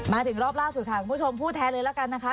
มาถึงรอบล่าสุดค่ะคุณผู้ชมพูดแท้เลยละกันนะคะ